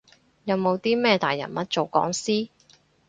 有冇啲咩大人物做講師？